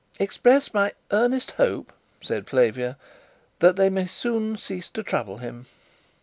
"Express my earnest hope," said Flavia, "that they may soon cease to trouble him."